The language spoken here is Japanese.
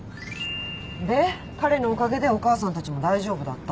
で彼のおかげでお母さんたちも大丈夫だったと。